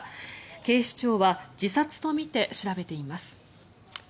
警視庁は自殺とみて調べています。